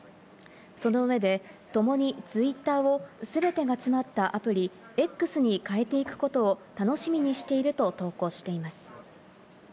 その上でともにツイッターをすべてが詰まったアプリ『Ｘ』に変えていくことを楽しみにしていると投稿しています。